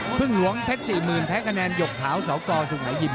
พึ่งหลวงเพชร๔๐๐๐แพ้คะแนนหยกขาวสกสุงหายิม